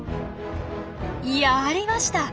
やりました！